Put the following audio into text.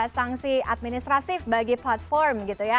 sanksi administrasif bagi platform gitu ya